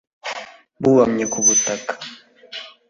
bubamye ku butaka